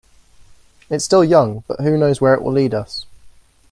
It's still young, but who knows where it will lead us.